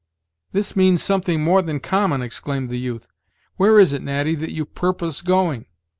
"This means something more than common," exclaimed the youth. "Where is it, Natty, that you purpose going?"